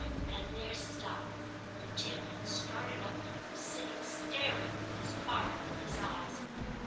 / and there stopped, for Tim had started up and was sitting staring, with his heart in his eyes.